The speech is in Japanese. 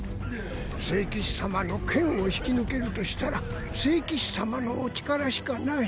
聖騎士様の剣を引き抜けるとしたら聖騎士様のお力しかない。